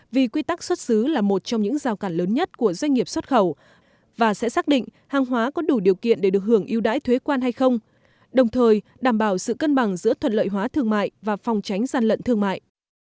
vì quy tắc xuất xứ là một trong những giao cản lớn nhất của doanh nghiệp xuất khẩu và sẽ xác định hàng hóa có đủ điều kiện để được hưởng yêu đãi thuế quan hay không đồng thời đảm bảo sự cân bằng giữa thuận lợi hóa thương mại và phòng tránh gian lận thương mại